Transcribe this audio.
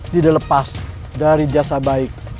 tidak lepas dari jasa baik